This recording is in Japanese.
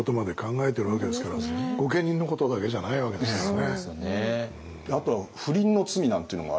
御家人のことだけじゃないわけですからね。